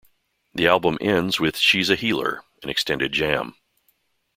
The album ends with "She's a Healer", an extended jam.